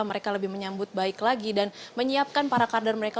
mereka lebih menyambut baik lagi dan menyiapkan para kader mereka